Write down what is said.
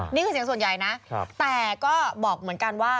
นี่คือเสียงส่วนใหญ่นะแต่ก็บอกเหมือนกันว่า